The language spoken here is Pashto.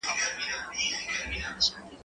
زه بايد مکتب ته لاړ شم!.